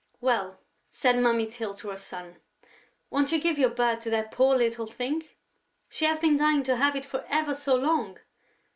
"Well," said Mummy Tyl to her son, "won't you give your bird to that poor little thing? She has been dying to have it for ever so long!..."